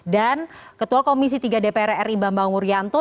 dan ketua komisi tiga dpr ri bamba nguryanto